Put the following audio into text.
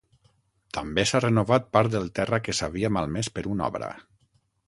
També s’ha renovat part del terra que s’havia malmès per una obra.